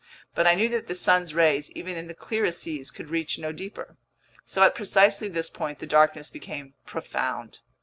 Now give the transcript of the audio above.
But I knew that the sun's rays, even in the clearest seas, could reach no deeper. So at precisely this point the darkness became profound.